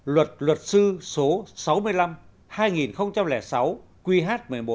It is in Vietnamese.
luật sư số sáu mươi năm hai nghìn sáu qh một mươi một